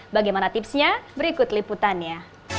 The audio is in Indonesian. bagaimana tipsnya berikut liputannya